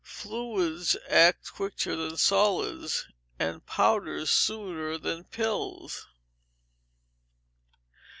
Fluids act quicker than solids, and powders sooner than pills.